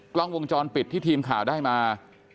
กล้องวงจรปิดที่ทีมข่าวได้มา